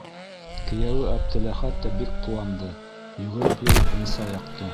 Кейәүе Әптеләхәт тә бик ҡыуанды, йүгереп йөрөп мунса яҡты.